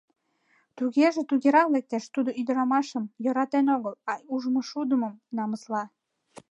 Тугеже тыгерак лектеш: тудо ӱдырамашым йӧратен огыл, а ужмышудымын намысла.